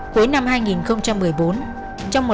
cuối năm hai nghìn một mươi bốn